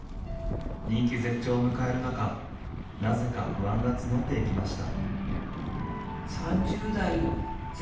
人気絶頂を迎える中なぜか不安が募っていきました。